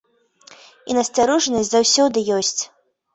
І насцярожанасць заўсёды ёсць.